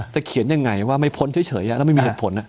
เขียนยังไงว่าไม่พ้นเฉยแล้วไม่มีเหตุผล